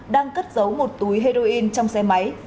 đang cất giấu một túi heroin trong xe máy